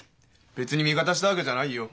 別に味方したわけじゃないよ。